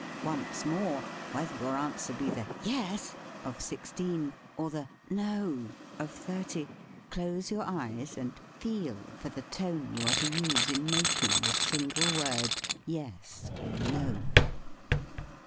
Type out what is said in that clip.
Once more, whether your answer be the "Yes" of sixteen or the "No" of thirty, close your eyes and feel for the tone you are to use in making the single word Yes or No.